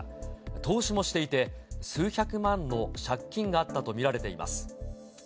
投資もしていて、数百万の借金があったと見られています。